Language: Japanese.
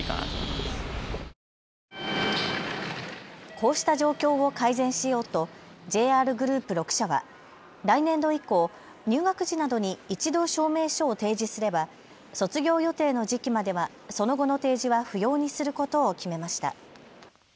こうした状況を改善しようとＪＲグループ６社は来年度以降、入学時などに１度、証明書を提示すれば卒業予定の時期まではその後の提示は不要にすることを決めました。